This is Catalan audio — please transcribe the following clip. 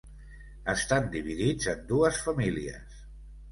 Estan dividits en dues famílies.